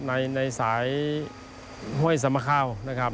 ในสายห้วยสมข้าวนะครับ